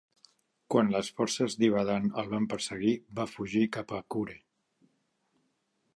Quan les forces d'Ibadan el van perseguir va fugir cap a Akure.